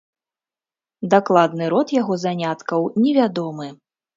Дакладны род яго заняткаў невядомы.